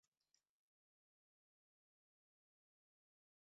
Ur asent-ssexṣareɣ udmawen-nwen.